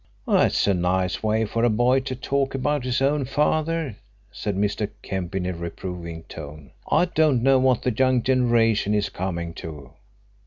"That's a nice way for a boy to talk about his own father," said Mr. Kemp, in a reproving tone. "I don't know what the young generation is coming to."